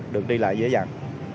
được đi lại dễ dàng